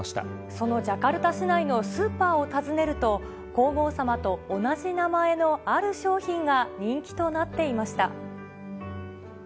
そのジャカルタ市内のスーパーを訪ねると、皇后さまと同じ名前のある商品が人気となっていました。